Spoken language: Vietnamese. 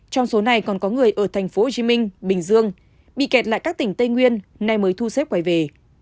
trong số này còn có người ở thành phố hồ chí minh bình dương bị kẹt lại các tỉnh tây nguyên nay mới thu xếp quay về